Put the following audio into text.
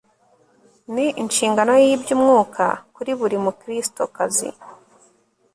Ni inshingano yibyumwuka kuri buri Mukristokazi